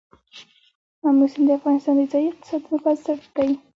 آمو سیند د افغانستان د ځایي اقتصادونو بنسټ دی.